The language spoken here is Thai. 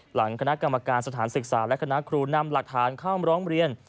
หลังคณะกรรมการสถานศึกษาและคณะครูนำหลักฐานเข้ามาร้องเรียน